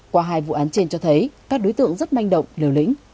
qua hai vụ án trên cho thấy các đối tượng rất manh động liều lĩnh